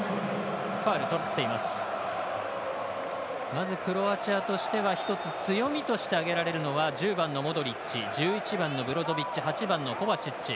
まず、クロアチアとしては一つ、強みとして挙げられるのは１０番のモドリッチ１１番のブロゾビッチ８番、コバチッチ。